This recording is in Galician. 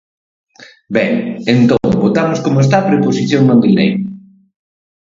Ben, entón votamos como está a proposición non de lei.